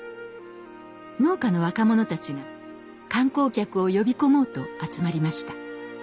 農家の若者たちが観光客を呼び込もうと集まりました。